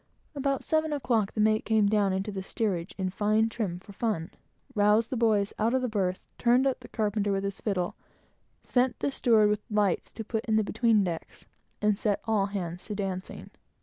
About seven o'clock, the mate came down into the steerage, in fine trim for fun, roused the boys out of the berth, turned up the carpenter with his fiddle, sent the steward with lights to put in the between decks, and set all hands to dancing.